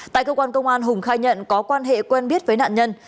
tại cơ quan công an hùng khai nhận có quan hệ quen biết với nạn nhân